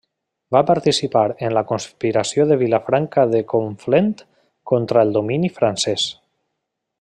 Va participar en la Conspiració de Vilafranca de Conflent contra el domini francès.